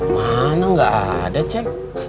mana gak ada cek